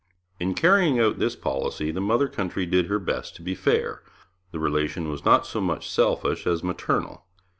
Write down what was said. In carrying out this policy the mother country did her best to be fair; the relation was not so much selfish as maternal.